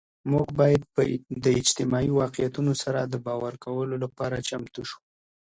مونږ باید د اجتماعي واقعیتونو سره د باور کولو لپاره چمتو سو.